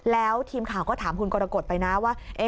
แล้วทีมข่าวก็ถามคุณกรกฎไปนะว่า